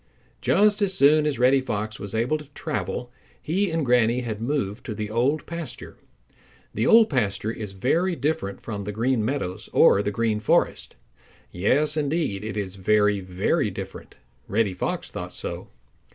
Just as soon as Reddy Fox was able to travel he and Granny had moved to the Old Pasture. The Old Pasture is very different from the Green Meadows or the Green Forest. Yes, indeed, it is very, very different. Reddy Fox thought so.